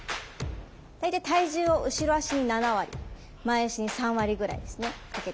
大体体重を後ろ足に７割前足に３割ぐらいですねかけて下さい。